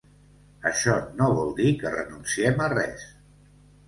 Això no vol dir que renunciem a res.